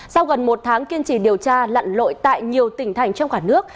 sau gần một tháng kiên trì điều tra lặn lội tại nhiều tỉnh thành trong cả nước